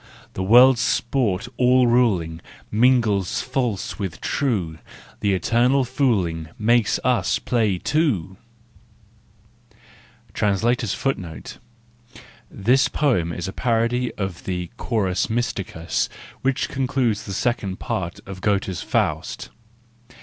The World sport, all ruling, Mingles false with true: The Eternally Fooling Makes us play, too !* This poem is a parody of the " Chorus Mysticus " which concludes the second part of Goethe's "Faust."